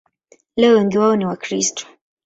Leo wengi wao ni Wakristo.